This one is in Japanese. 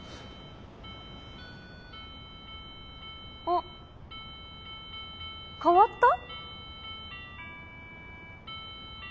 あ変わった？